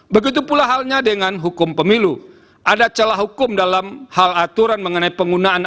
begitu pula halnya dengan hukum pemilu ada celah hukum dalam hal aturan mengenai penggunaan